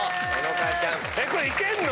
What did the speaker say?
これいけんの⁉